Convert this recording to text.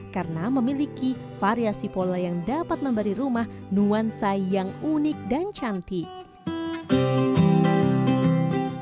karena memiliki variasi pola yang dapat memberi rumah nuansa yang unik dan cantik